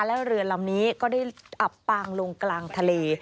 และเรือลำนี้ก็ได้อับปางลงกลางทะเล